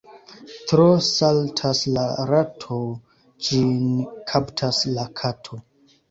Tro saltas la rato — ĝin kaptas la kato.